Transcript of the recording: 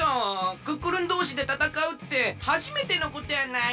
クックルンどうしでたたかうってはじめてのことやない？